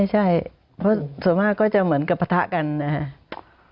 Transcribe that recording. ใช่เพราะส่วนมากก็จะเหมือนกับปะทะกันนะครับ